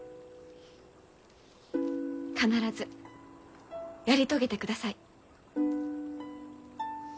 必ずやり遂げてください。